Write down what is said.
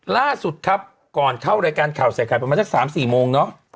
ล่าสุดครับก่อนเข้ารายการข่าวแสดงข่าวมาจาก๓๔โมง